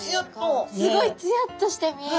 すごいツヤッとして見える。